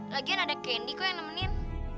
lagian ada kendi kok yang nemenin